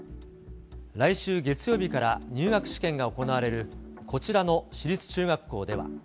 来週月曜日から入学試験が行われるこちらの私立中学校では。